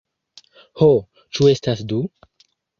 Ho, ĉu estas du?